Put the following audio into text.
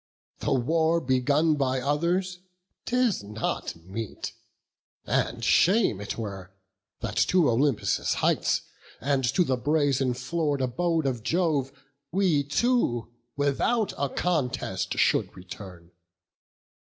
The war begun by others, 'tis not meet; And shame it were, that to Olympus' height And to the brazen floor'd abode of Jove We two without a contest should return.